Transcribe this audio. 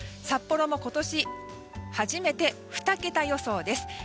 札幌も今年初めて２桁予想です。